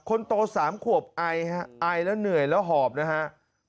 คนโต๓ขวบไอฮะไอแล้วเหนื่อยแล้วหอบนะฮะ